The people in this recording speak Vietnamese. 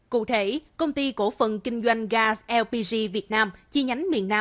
cụ thể công ty cổ phần kinh doanh gas lpg việt nam